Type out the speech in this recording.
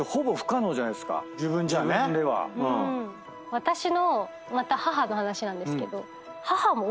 私のまた母の話なんですけど。